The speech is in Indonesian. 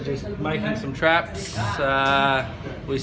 jadi kami sedang membuat beberapa perangkap